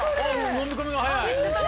のみ込みが早い。